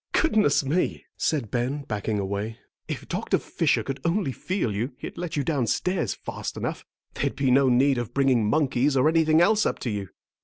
"Goodness me," said Ben, backing away, "if Doctor Fisher could only feel you he'd let you downstairs fast enough. There'd be no need of bringing monkeys or anything else up to you."